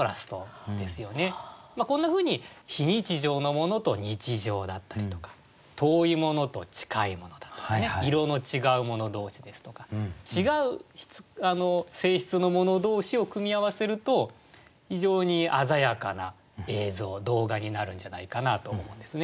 こんなふうに非日常のものと日常だったりとか遠いものと近いものだとかね色の違うもの同士ですとか違う性質のもの同士を組み合わせると非常に鮮やかな映像動画になるんじゃないかなと思うんですね。